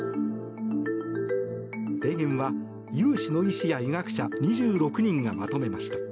提言は、有志の医師や医学者２６人がまとめました。